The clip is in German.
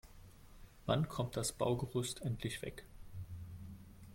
Wann kommt das Baugerüst endlich weg?